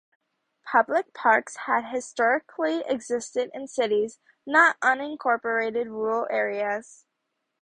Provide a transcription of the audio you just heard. Public parks had historically existed in cities, not unincorporated rural areas.